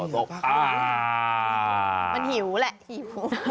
มันหิวแหละหิว